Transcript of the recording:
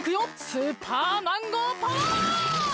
スーパーマンゴーパワー！